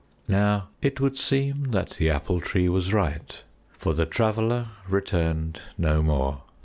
Now it would seem that the Apple Tree was right, for the Traveler returned no more.